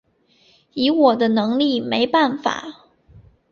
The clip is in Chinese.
以我的能力没办法